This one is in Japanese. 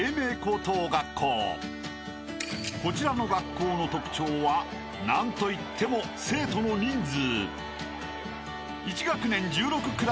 ［こちらの学校の特徴は何といっても生徒の人数！］